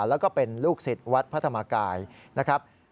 แล้วก็เป็นลูกศิษย์วัดพระธรรมกายนะครับ